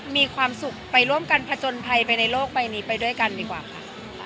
มีความสุขแล้วกันลูกใบด้วยกันดีกว่าค่ะ